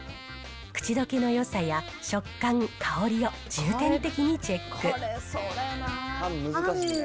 口どけの良さや食感、香りを重点的にチェック。